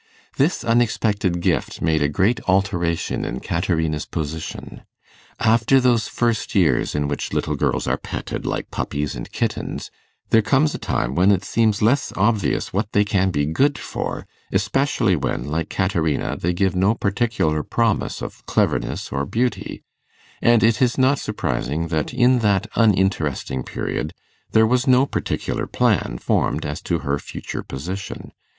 This unexpected gift made a great alteration in Caterina's position. After those first years in which little girls are petted like puppies and kittens, there comes a time when it seems less obvious what they can be good for, especially when, like Caterina, they give no particular promise of cleverness or beauty; and it is not surprising that in that uninteresting period there was no particular plan formed as to her future position.